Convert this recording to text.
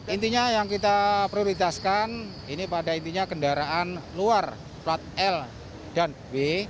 intinya yang kita prioritaskan ini pada intinya kendaraan luar plat l dan b